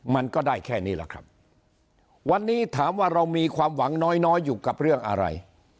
มันก็ได้แค่นี้แหละครับวันนี้ถามว่าเรามีความหวังน้อยน้อยอยู่กับเรื่องอะไร